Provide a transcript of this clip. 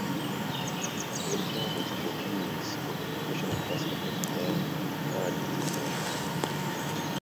Hillmon is the niece of professional basketball player Jawad Williams.